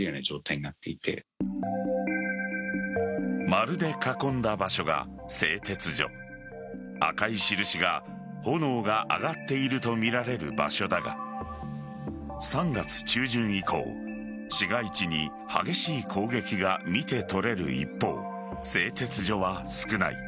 丸で囲んだ場所が製鉄所赤い印が炎が上がっているとみられる場所だが３月中旬以降市街地に激しい攻撃が見て取れる一方製鉄所は少ない。